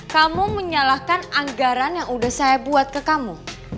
kamu menyalahkan anggaran yang sudah saya buat ke kamu